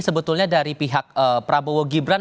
sebetulnya dari pihak prabowo gibran